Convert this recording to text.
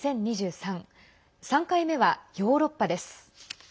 ３回目はヨーロッパです。